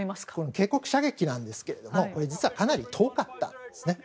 警告射撃ですが実は、かなり遠かったんですね。